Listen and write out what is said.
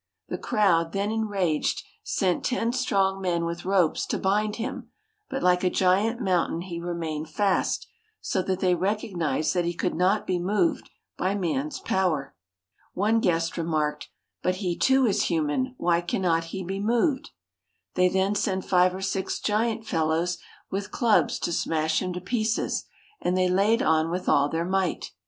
The crowd, then enraged, sent ten strong men with ropes to bind him, but like a giant mountain he remained fast, so that they recognized that he could not be moved by man's power. One guest remarked, "But he, too, is human; why cannot he be moved?" They then sent five or six giant fellows with clubs to smash him to pieces, and they laid on with all their might.